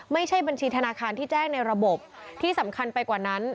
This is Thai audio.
ไม่ใช่บัญชีธนาคารที่แจ้งในระบบที่สำคัญไปกว่านั้น